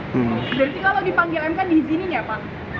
berarti kalau dipanggil mk diizininya apa